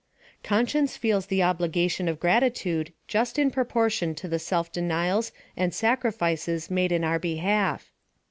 Conscience feels the obligation of gratitude PLAN OP SALVATION. 207 just in proportion to the self denials and sacrifices made in our behalf.